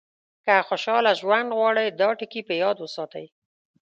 که خوشاله ژوند غواړئ دا ټکي په یاد وساتئ.